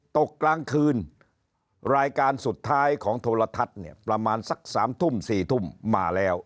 ตกกลางคืนรายการสุดท้ายของโทรทัศน์เนี่ยประมาณสัก๓ทุ่ม๔ทุ่มมาแล้ว